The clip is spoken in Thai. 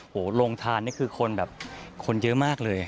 โรงทานนี่คือคนแบบคนเยอะมากเลย